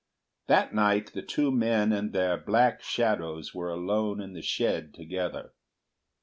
That night the two men and their black shadows were alone in the shed together.